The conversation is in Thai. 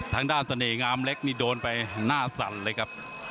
ทางด้านเสน่หงามเล็กนี่โดนไปหน้าสั่นเลยครับ